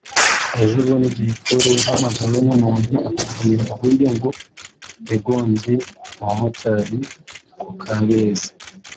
ejobundi Jay Polly yahamagawe n’umuntu atubwira uburyo ngo yagonze umumotari ku Kabeza [